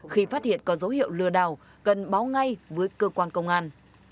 khi phát hiện có dấu hiệu lừa đảo cần báo ngay với cơ quan công an